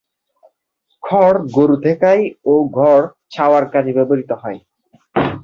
খড় গরুতে খায় ও ঘর ছাওয়ার কাজে ব্যবহৃত হয়।